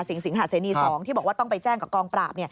สิงหาเสนี๒ที่บอกว่าต้องไปแจ้งกับกองปราบ